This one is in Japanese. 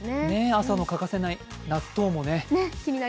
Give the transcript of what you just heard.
朝の欠かせないの納豆もね。